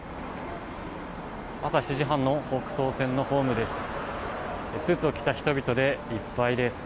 朝７時半の北総線のホームです。